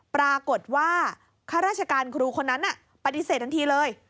ปรากฏว่าข้าราชการครูคนนั้นปฏิเสธทันทีเลย